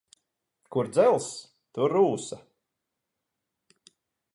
Kur dzelzs, tur rūsa.